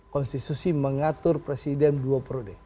konstitusi mengatur presiden dua periode